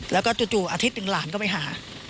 แล้วก็จู่อาทิตย์หนึ่งหลานก็ไปหา